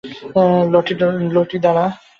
লটি, দাঁড়া!